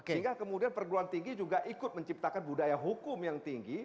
sehingga kemudian perguruan tinggi juga ikut menciptakan budaya hukum yang tinggi